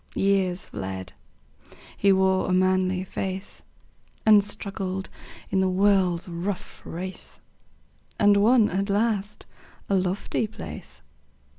Years fled; he wore a manly face, And struggled in the world's rough race, And won at last a lofty place.